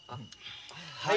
はい。